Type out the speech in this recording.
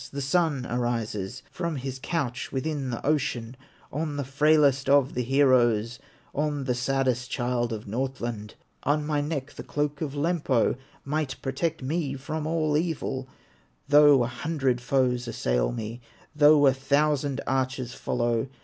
the Sun arises From his couch within the ocean, On the frailest of the heroes, On the saddest child of Northland; On my neck the cloak of Lempo Might protect me from all evil, Though a hundred foes assail me, Though a thousand archers follow."